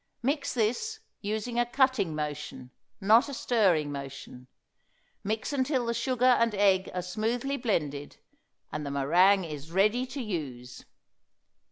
Mix this, using a cutting motion, not a stirring motion. Mix until the sugar and egg are smoothly blended, and the meringue is ready to use.